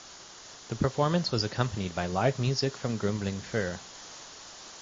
The performance was accompanied by live music from Grumbling Fur.